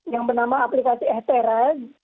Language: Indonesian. yang bernama aplikasi ehtera